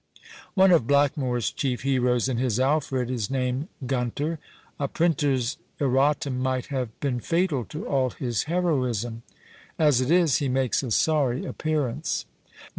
One of Blackmore's chief heroes in his Alfred is named Gunter; a printer's erratum might have been fatal to all his heroism; as it is, he makes a sorry appearance.